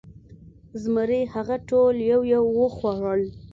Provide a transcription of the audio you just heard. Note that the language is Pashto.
زمري هغه ټول یو یو وخوړل.